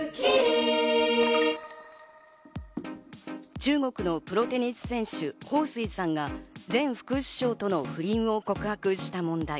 中国のプロテニス選手ホウ・スイさんが前副首相との不倫を告白した問題。